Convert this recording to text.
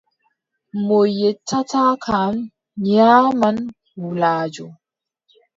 Mo yettataa kam, nyaaman wulaajo.